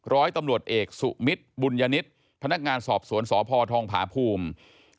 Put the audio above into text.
ร้อยตำรวจเอกสุมิตรบุญญนิตพนักงานสอบสวนสพทองผาภูมิ